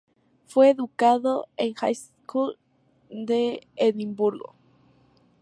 Fue educado en el High School de Edimburgo.